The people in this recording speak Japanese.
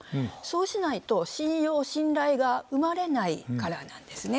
そうしないと信用信頼が生まれないからなんですね。